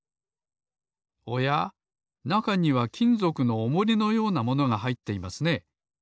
おやなかにはきんぞくのおもりのようなものがはいっていますね。